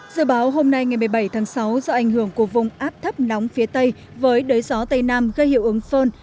dự báo hôm nay ngày một mươi bảy tháng sáu do ảnh hưởng của vùng áp thấp nóng phía tây với đới gió tây nam gây hiệu ứng phơn